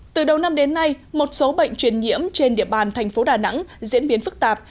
từ đầu năm đến nay một số bệnh truyền nhiễm trên địa bàn thành phố đà nẵng diễn biến phức tạp